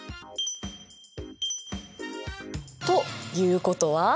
ということは？